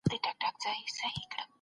سوله د ژوند تر ټولو لويه اړتيا ده.